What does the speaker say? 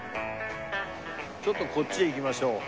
ちょっとこっちへ行きましょう。